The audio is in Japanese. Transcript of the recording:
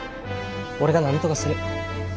俺がなんとかする。